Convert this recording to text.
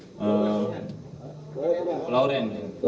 lauren kembali aja ya